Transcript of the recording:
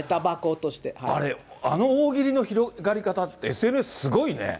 あれ、あの大喜利の広がり方って、ＳＮＳすごいね。